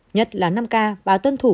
nhất là năm k báo tân thủ